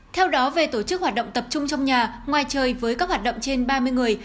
theo đó về tổ chức hoạt động tập trung trong nhà ngoài trời với các hoạt động trên ba mươi người